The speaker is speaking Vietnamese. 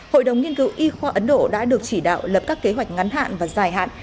hội đồng nghiên cứu y khoa ấn độ đã được chỉ đạo lập các kế hoạch ngắn hạn và dài hạn